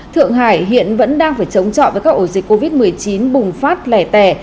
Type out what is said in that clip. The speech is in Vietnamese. thượng hải hiện vẫn đang phải chống chọi với các ổ dịch covid một mươi chín bùng phát lẻ tẻ